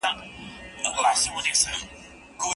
کرل شوي تخمونه د نه کرل سویو هغو په پرتله ښه حاصل ورکوي.